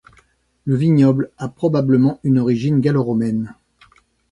Le vignoble a probablement une origine gallo-romaine.